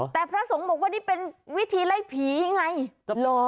แต่พระสงฆ์บอกว่านี่เป็นวิธีไล่ผีไง